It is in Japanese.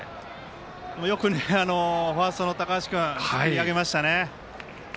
よくファーストの高橋君すくい上げましたね。